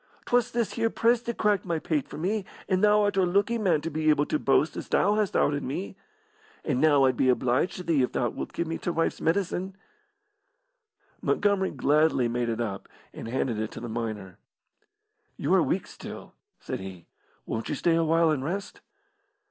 'Twas this here press that cracked my pate for me, and thou art a looky man to be able to boast as thou hast outed me. And now I'd be obliged to thee if thou wilt give me t' wife's medicine." Montgomery gladly made it up and handed it to the miner. "You are weak still," said he. "Won't you stay awhile and rest?"